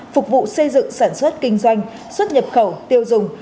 phục vụ xây dựng sản xuất kinh doanh xuất nhập khẩu tiêu dùng